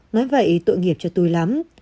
nói vậy tội nghiệp cho tôi lắm